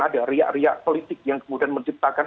ada riak riak politik yang kemudian menciptakan